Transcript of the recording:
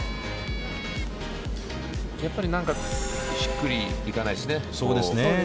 やっぱり何かしっくりいかないですね。